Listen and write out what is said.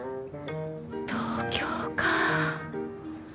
東京か。